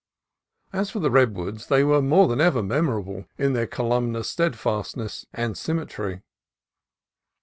As for the redwoods, they were more than ever memorable in their columnar steadfastness and symmetry.